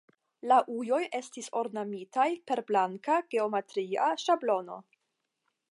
La ujoj estis ornamitaj per blanka geometria ŝablono.